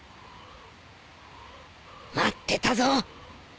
待ってたぞ。